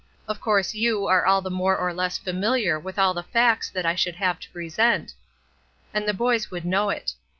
Of course you are all more or less familiar with all the facts that I should have to present, and the boys would know it.